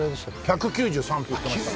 １９３って言ってました。